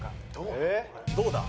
どうだ？